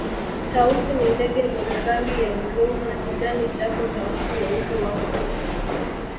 Tausi ni ndege mwenye rangi ya bluu na kijani japo Tausi weupe wapo pia